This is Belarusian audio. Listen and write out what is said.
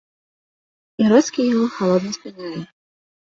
Яроцкі яго халодна спыняе.